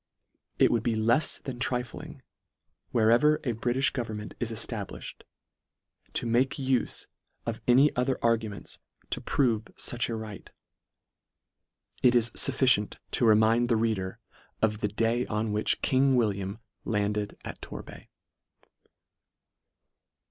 It would be lefs than trif ling, wherever a Britifh government is efta bliftied, to make ufe of any other arguments LETTER VI. 65 to prove fuch a right. It is fufficient to re mind the reader of the day on which King William landed at Torbay.